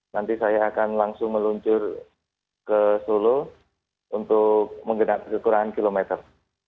nanti saya akan langsung meluncur ke solo untuk menggenap kekurangan kilometer